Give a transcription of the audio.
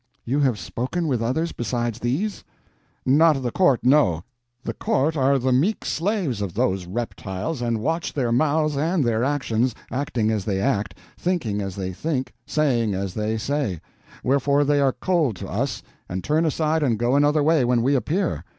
"You have spoken with others besides these?" "Not of the Court, no—the Court are the meek slaves of those reptiles, and watch their mouths and their actions, acting as they act, thinking as they think, saying as they say; wherefore they are cold to us, and turn aside and go another way when we appear.